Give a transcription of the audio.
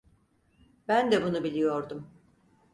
Ben de bunu biliyordum.